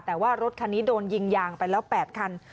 แต่ว่ารถคันนี้โดนยิงยางไปแล้ว๘คัน